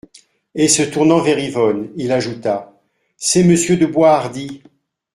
Et se tournant vers Yvonne, il ajouta : C'est Monsieur de Boishardy.